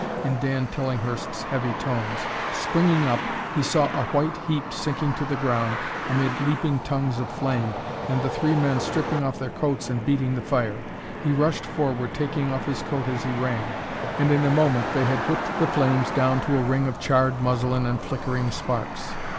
in Dan Tillinghurst's heavy tones. Springing up, he saw a white heap sinking to the ground amid leaping tongues of flame and the three men stripping off their coats and beating the fire. He rushed forward, taking off his coat as he ran, and in a moment they had whipped the flames down to a ring of charred muslin and flickering sparks.